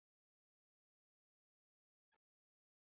Hurrengo egunetan ekitaldi oso garrantzitsuak daude pilotan.